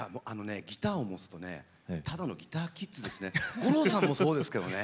ギターを持つとただのギターキッズですね。